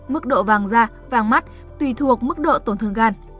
mức độ vàng da vàng mắt tùy thuộc mức độ tổn thương gan